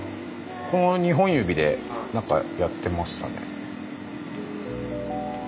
この２本指で何かやってましたね。